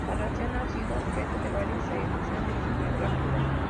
La reacción ha sido objeto de varias revisiones bibliográficas..